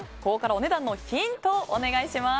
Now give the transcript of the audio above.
お値段のヒントをお願いします。